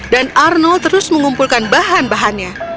dan arnold terus mengumpulkan bahan bahannya